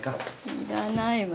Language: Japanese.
いらないわ。